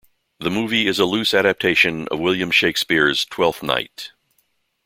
The movie is a loose adaptation of William Shakespeare's "Twelfth Night".